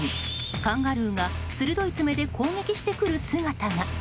カンガルーが鋭い爪で攻撃してくる姿が。